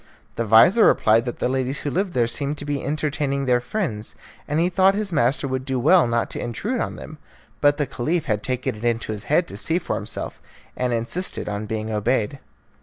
The vizir replied that the ladies who lived there seemed to be entertaining their friends, and he thought his master would do well not to intrude on them; but the Caliph had taken it into his head to see for himself, and insisted on being obeyed.